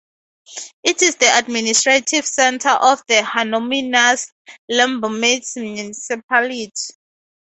It is the administrative centre of the homonymous Lyubimets Municipality.